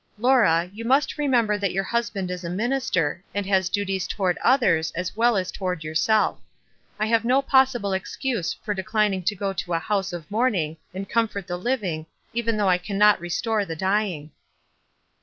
"Laura, you must remember that your hus band is a minister, and has duties toward others as well as toward yourself. I have no possible excuse for declining to go to a house of mourn ing, and comfort the living, even though I can not restore the dying."